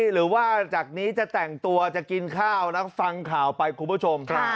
หรือว่าจากนี้จะแต่งตัวจะกินข้าวแล้วฟังข่าวไปคุณผู้ชม